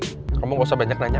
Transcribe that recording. kamu gak usah banyak nanya